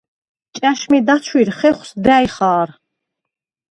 ჭა̈შმი დაჩუ̂ირ ხეხუ̂ს და̈ჲ ხა̄რ.